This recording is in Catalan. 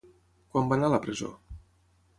Quan va anar a la presó?